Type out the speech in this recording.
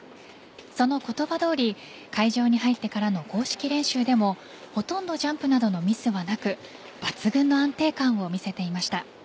その言葉どおり会場に入ってからの公式練習でもほとんどジャンプなどのミスはなく抜群の安定感を見せていました。